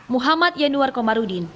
muhammad yanuar komarudin